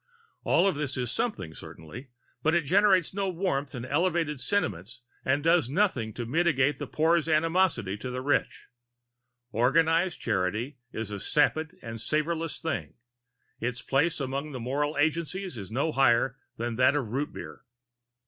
All this is something, certainly, but it generates no warm and elevated sentiments and does nothing in mitigation of the poor's animosity to the rich. Organized charity is a sapid and savorless thing; its place among moral agencies is no higher than that of root beer.